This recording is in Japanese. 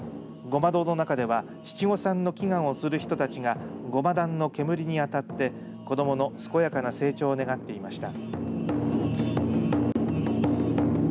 護摩堂の中では七五三の祈願をする人たちが護摩壇の煙にあたって子どもの健やかな成長を願っていました。